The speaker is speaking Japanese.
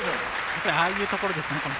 ああいうところですね。